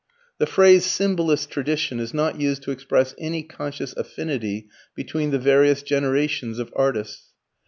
The phrase "symbolist tradition" is not used to express any conscious affinity between the various generations of artists.